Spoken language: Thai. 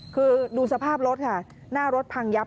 คือดูสภาพรถค่ะหน้ารถพังยับ